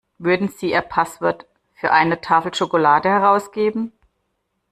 Würden Sie Ihr Passwort für eine Tafel Schokolade herausgeben?